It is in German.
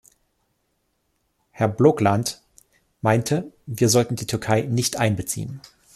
Herr Blokland meinte, wir sollten die Türkei nicht einbeziehen.